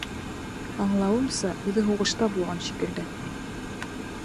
Аңлауымса, үҙе һуғышта булған шикелле.